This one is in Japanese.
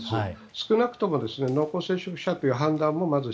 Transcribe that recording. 少なくとも濃厚接触者という判断もする。